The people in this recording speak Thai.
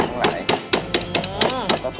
ก็เสร็จแล้วนี่